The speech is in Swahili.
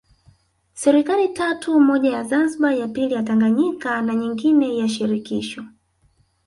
Serikali tatu moja ya Zanzibar ya pili ya Tanganyika na nyingine ya shirikisho